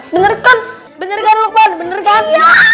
bener kan bener kan bukman bener kan